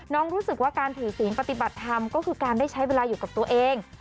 รู้สึกว่าการถือศีลปฏิบัติธรรมก็คือการได้ใช้เวลาอยู่กับตัวเอง